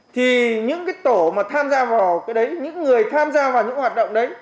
thì những tổ mà tham gia vào cái đấy những người tham gia vào những hoạt động